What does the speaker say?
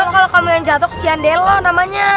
kalau kamu yang jatuh kesian deh lo namanya